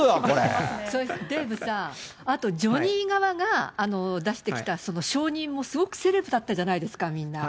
デーブさん、あとジョニー側が出してきた証人も、すごくセレブだったじゃないですか、みんな。